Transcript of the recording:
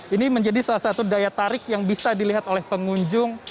ini menjadi salah satu daya tarik yang bisa dilihat oleh pengunjung